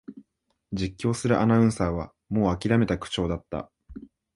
実況するアナウンサーはもうあきらめた口調だった